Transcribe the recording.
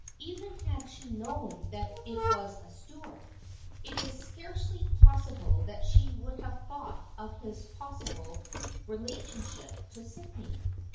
Even had she known that it was Stuart it is scarcely prob able that she would have thought of his possible relationship to Sydney.